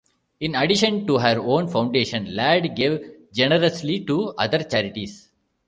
In addition to her own foundation, Ladd gave generously to other charities.